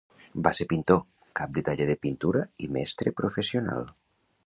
Va ser pintor, cap de taller de pintura i mestre professional.